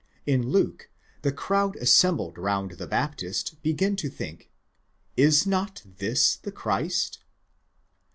In Luke, the crowd assembled round the Baptist begin to think: Zs not this the Christ